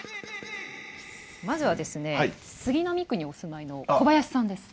まずはですね杉並区にお住まいの小林さんです。